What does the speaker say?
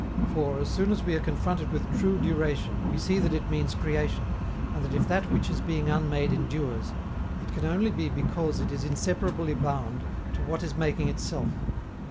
For, as soon as we are confronted with true duration, we see that it means creation, and that if that which is being unmade endures, it can only be because it is inseparably bound to what is making itself.